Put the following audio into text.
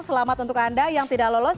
selamat untuk anda yang tidak lolos